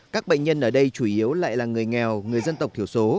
các bệnh nhân ở đây chủ yếu lại là người nghèo người dân tộc thiểu số